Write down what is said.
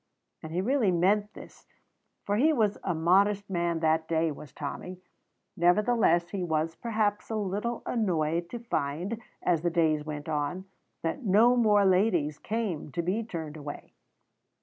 And he really meant this, for he was a modest man that day, was Tommy. Nevertheless, he was, perhaps, a little annoyed to find, as the days went on, that no more ladies came to be turned away.